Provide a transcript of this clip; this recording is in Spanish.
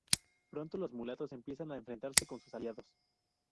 Pronto los mulatos empiezan a enfrentarse con sus aliados.